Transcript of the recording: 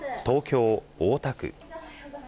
東京・大田区。